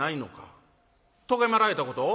「とがめられたこと？